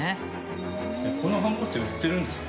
このハンコって売ってるんですか？